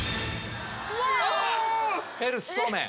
ヘル酢そうめん。